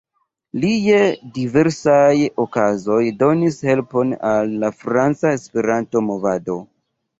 Li je diversaj okazoj donis helpon al la franca Esperanto-movado.